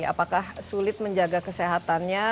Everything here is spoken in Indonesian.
apakah sulit menjaga kesehatannya